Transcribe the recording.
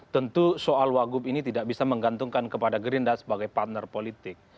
tentu soal wagub ini tidak bisa menggantungkan kepada gerindra sebagai partner politik